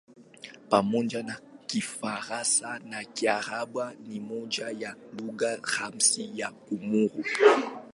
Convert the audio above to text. Pamoja na Kifaransa na Kiarabu ni moja ya lugha rasmi ya Komori.